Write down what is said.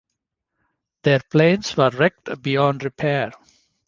Their planes were wrecked beyond repair.